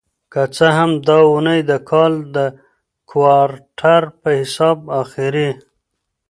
که څه هم دا اونۍ د کال د کوارټر په حساب اخېری